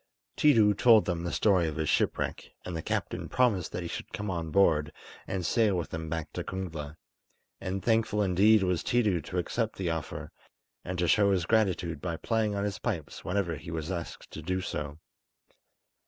Tiidu told them the story of his shipwreck, and the captain promised that he should come on board, and sail with them back to Kungla; and thankful indeed was Tiidu to accept the offer, and to show his gratitude by playing on his pipes whenever he was asked to do so.